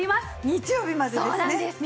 日曜日までですね。